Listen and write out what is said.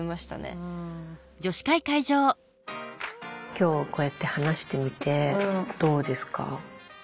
今日こうやって話してみてどうですか？